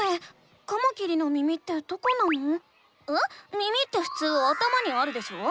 耳ってふつう頭にあるでしょ？